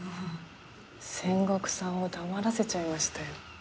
千石さんを黙らせちゃいましたよ。